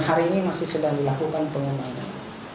hari ini masih sedang dilakukan pengembangan